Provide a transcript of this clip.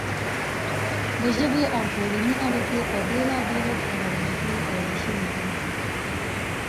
د ژبې او ټولنې اړیکې په بېلا بېلو خپرونو کې څېړل شوې دي.